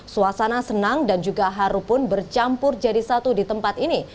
suasana senang dan juga haru pun bercampur jadi satu di tempat ini